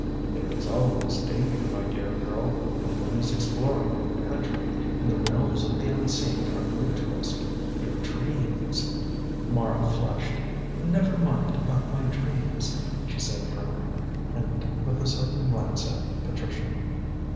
"There is always danger, my dear girl, when one is exploring a new country, and the Realms of the Unseen are new to us. Your dreams " Mara flushed. "Never mind about my dreams," she said frowning, and with a sudden glance at Patricia.